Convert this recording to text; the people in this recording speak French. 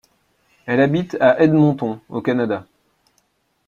Elle habite à Edmonton, au Canada.